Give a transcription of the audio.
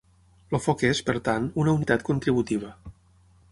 El foc és, per tant, una unitat contributiva.